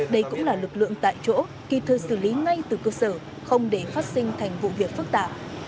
đây cũng là lực lượng tại chỗ kỳ thơ xử lý ngay từ cơ sở không để phát sinh thành vụ việc phức tạp